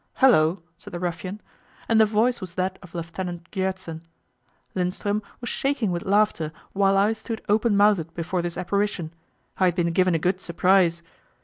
"Hullo!" said the ruffian, and the voice was that of Lieutenant Gjertsen. Lindström was shaking with laughter while I stood open mouthed before this apparition; I had been given a good surprise.